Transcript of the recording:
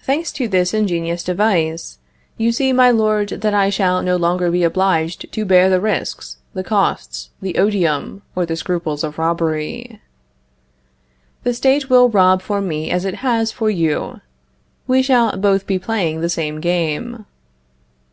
Thanks to this ingenious device, you see, my lord, that I shall no longer be obliged to bear the risks, the costs, the odium, or the scruples of robbery. The State will rob for me as it has for you. We shall both be playing the same game.